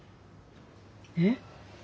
えっ？